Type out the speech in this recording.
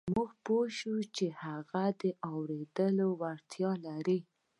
موږ پوه شوو چې هغه د اورېدو وړتيا لري.